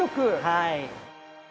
はい。